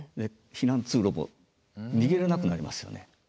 避難通路も逃げれなくなりますよね。